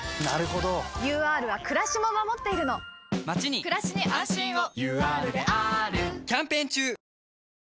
ＵＲはくらしも守っているのまちにくらしに安心をＵＲであーるキャンペーン中！